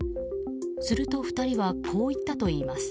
すると、２人はこう言ったといいます。